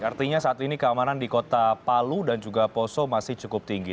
artinya saat ini keamanan di kota palu dan juga poso masih cukup tinggi